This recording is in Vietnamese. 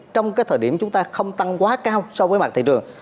trong cái thời điểm chúng ta không tăng quá cao so với mặt thị trường